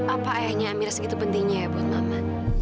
apa ayahnya amir segitu pentingnya ya buat mama